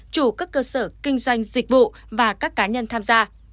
chủ các cơ sở kinh doanh dịch vụ và các cá nhân tham gia